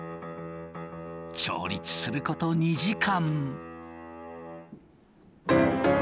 調律すること２時間。